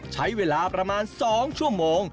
ใช้เวลาประมาณ๒ชั่วโมง